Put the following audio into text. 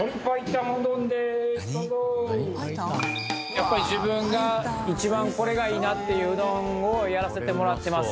やっぱり自分が一番これがいいなっていううどんをやらせてもらってます。